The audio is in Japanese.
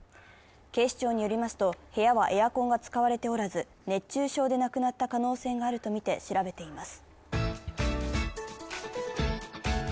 警視庁によりますと、部屋はエアコンが使われておらず、熱中症で亡くなった可能性があるとみて調べています。